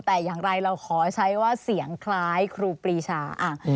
แต่อย่างไรเราขอใช้ว่าเสียงคล้ายครูปรีชา